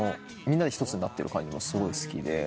みんなで一つになってる感じもすごい好きで。